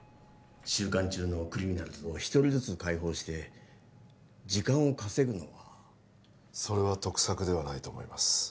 収監中のクリミナルズを１人ずつ解放して時間を稼ぐのはそれは得策ではないと思います